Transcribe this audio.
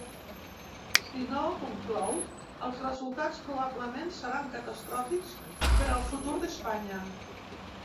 Si no, conclou, els resultats ‘probablement seran catastròfics per al futur d’Espanya’.